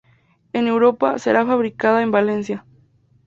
En Europa, será fabricada en Valencia.